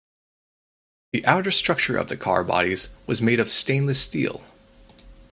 The outer structure of the car bodies was made of stainless steel.